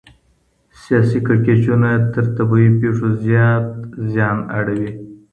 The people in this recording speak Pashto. سياسي کړکېچونه تر طبيعي پېښو زيات زيان اړوي.